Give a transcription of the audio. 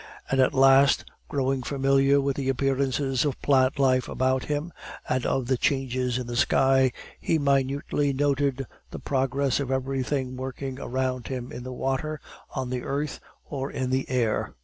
And at last, growing familiar with the appearances of the plant life about him, and of the changes in the sky, he minutely noted the progress of everything working around him in the water, on the earth, or in the air.